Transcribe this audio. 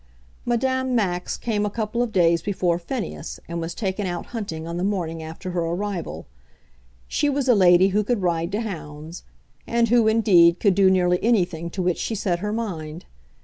Madame Max came a couple of days before Phineas, and was taken out hunting on the morning after her arrival. She was a lady who could ride to hounds, and who, indeed, could do nearly anything to which she set her mind.